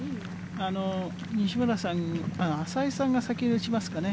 西村さん、ああ、淺井さんが先に打ちますかね。